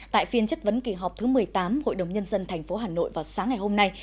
tại phiên chất vấn kỳ họp thứ một mươi tám hội đồng nhân dân thành phố hà nội vào sáng ngày hôm nay